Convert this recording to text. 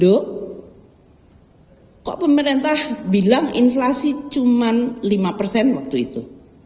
kok pemerintah bilang inflasi cuma lima persen waktu itu